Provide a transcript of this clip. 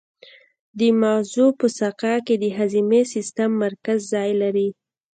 د مغزو په ساقه کې د هضمي سیستم مرکز ځای لري.